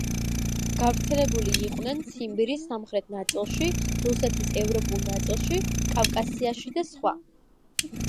გავრცელებული იყვნენ ციმბირის სამხრეთ ნაწილში, რუსეთის ევროპულ ნაწილში, კავკასიაში და სხვა.